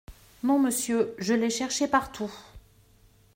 Non, monsieur, je l’ai cherché partout.